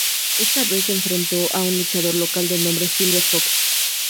Esta vez se enfrentó a un luchador local, de nombre Silver Fox.